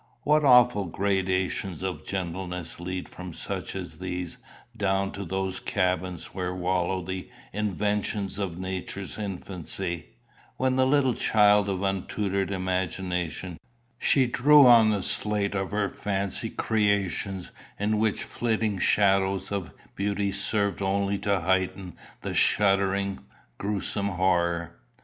What awful gradations of gentleness lead from such as these down to those cabins where wallow the inventions of Nature's infancy, when, like a child of untutored imagination, she drew on the slate of her fancy creations in which flitting shadows of beauty serve only to heighten the shuddering, gruesome horror.